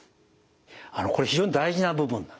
あのこれ非常に大事な部分なんですね。